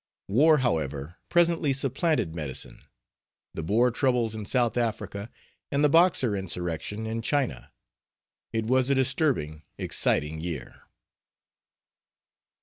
War, however, presently supplanted medicine the Boer troubles in South Africa and the Boxer insurrection in China. It was a disturbing, exciting year.